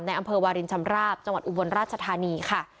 อำเภอวารินชำราบจังหวัดอุบลราชธานีค่ะ